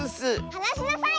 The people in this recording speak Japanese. はなしなさい！